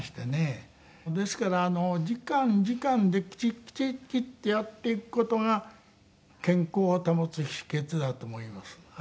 ですから時間時間できちっきちっきちってやっていく事が健康を保つ秘訣だと思います。